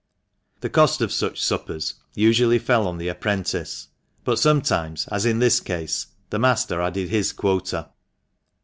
The cost of such suppers usually fell on the apprentice, but sometimes, as in this case, the master added his quota.